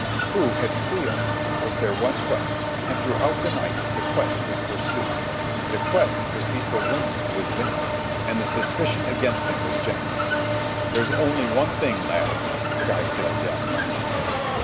"Who had squealed?" was their one quest, and throughout the night the quest was pursued. The quest for Cecil Winwood was vain, and the suspicion against him was general. "There's only one thing, lads," Skysail Jack finally said.